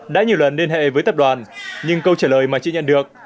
đã nhiều lần liên hệ với tập đoàn nhưng câu trả lời mà chưa nhận được